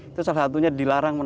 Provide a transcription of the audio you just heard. itu salah satunya dilarang